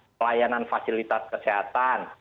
pelayanan fasilitas kesehatan